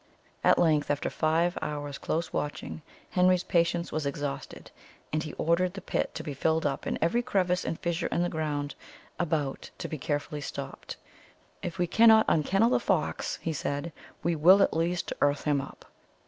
At length, after five hours' close watching, Henry's patience was exhausted, and he ordered the pit to be filled up, and every crevice and fissure in the ground about to be carefully stopped. "If we cannot unkennel the fox," he said, "we will at least earth him up.